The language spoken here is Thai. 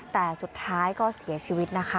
แต่สุดท้ายก็เสียชีวิตนะคะ